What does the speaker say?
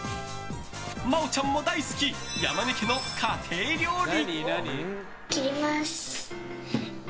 真央ちゃんも大好き山根家の家庭料理！